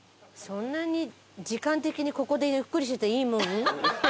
そんなに時間的にここでゆっくりしてていいもん？